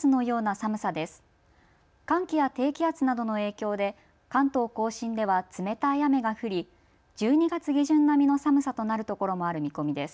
寒気や低気圧などの影響で関東甲信では冷たい雨が降り１２月下旬並みの寒さとなる所もある見込みです。